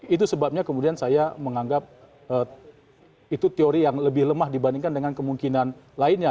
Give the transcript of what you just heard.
itu sebabnya kemudian saya menganggap itu teori yang lebih lemah dibandingkan dengan kemungkinan lainnya